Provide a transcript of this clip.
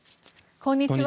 こんにちは。